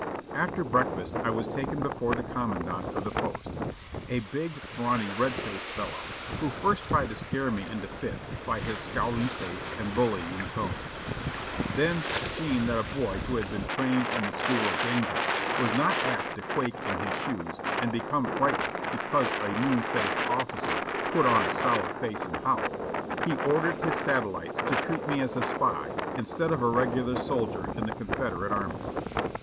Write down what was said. After breakfast I was taken before the commandant of the post, a big. brawny, red faced fellow, who first tried to scare me into fits by his scowling face and bullying tones ; then, seeing that a boy who had been trained in the school of danger was not apt to quake in his shoes and become frightened because a moon faced officer put on a sour face and howled, he ordered his satellites to treat me as a spy instead of a regular soldier in the Confederate Army.